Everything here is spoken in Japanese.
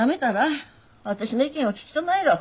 私の意見は聞きとないろ？